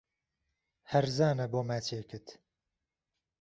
ههرزانه بۆ ماچێکت